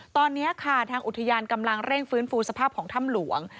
ตอนนี้ค่ะทางอุทยานกำลังเร่งฟื้นฟูสภาพของถ้ำหลวง